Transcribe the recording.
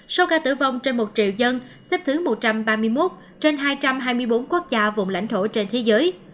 số ca tử vong trên một triệu dân xếp thứ một trăm ba mươi một trên hai trăm hai mươi bốn quốc gia vùng lãnh thổ trên thế giới